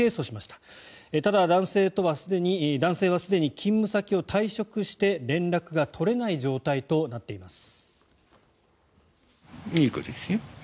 ただ、男性はすでに勤務先を退職して連絡が取れない状態となっています。